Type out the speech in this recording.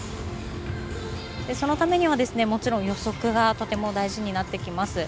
そのためには、もちろん予測がとても大事になってきます。